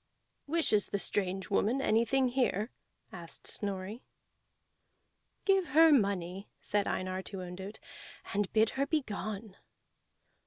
"Wishes the strange woman anything here?" asked Snorri. "Give her money," said Einar to Ondott, "and bid her begone."